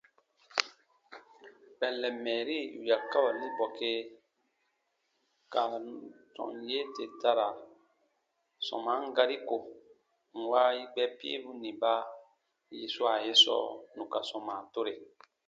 Kpɛllɛn mɛɛri yù yarukawali bɔke ka sɔm yee tè ta ra sɔman gari ko, nwa yigbɛ piibu nì ba yi swa ye sɔɔ nù ka sɔma tore.